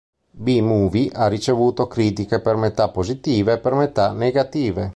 Bee Movie ha ricevuto critiche per metà positive e per metà negative.